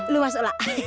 lo masuk lah